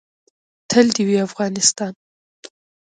تل دې وي افغانستان.